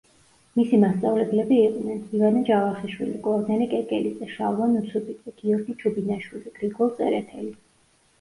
მისი მასწავლებლები იყვნენ: ივანე ჯავახიშვილი, კორნელი კეკელიძე, შალვა ნუცუბიძე, გიორგი ჩუბინაშვილი, გრიგოლ წერეთელი.